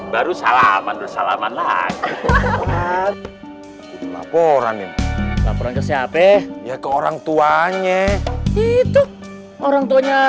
baru salaman salaman lah laporan laporan ke siapa ya ke orangtuanya itu orangtuanya